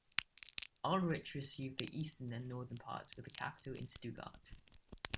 Ulrich received the eastern and northern parts with the capital in Stuttgart.